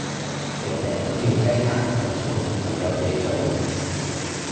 日日都要雞啼咁早就有嘢做？